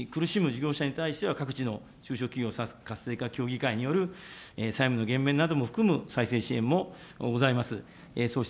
それでもなお増大する債務に苦しむ事業者に対しては、各地の中小企業活性化協議会による債務の減免なども含む、再生支援もございます。